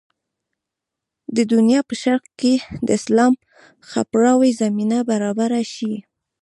د دنیا په شرق کې د اسلام خپراوي زمینه برابره شي.